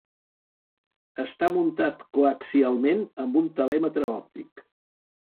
Està muntat coaxialment amb un telèmetre òptic.